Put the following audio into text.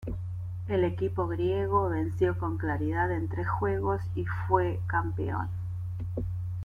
El equipo "griego" venció con claridad en tres juegos y fue campeón.